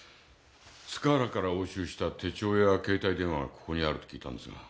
塚原から押収した手帳や携帯電話がここにあると聞いたんですが。